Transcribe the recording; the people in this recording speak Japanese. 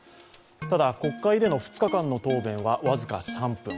ただ国会での２日間の答弁は僅か３分。